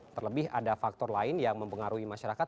terlebih ada faktor lain yang mempengaruhi masyarakat